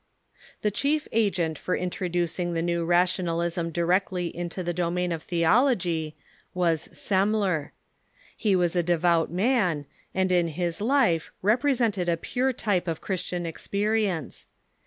The chief agent for introducing the new Rationalism directly into the domain of theology was Semler. He was a devout man, and in liis life represented a pure type of of^RationaiTsm ^'^^'istian experience.